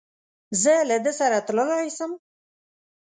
زه له ده سره تللای سم؟